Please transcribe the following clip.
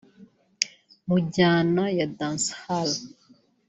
mu njyana ya Dancehall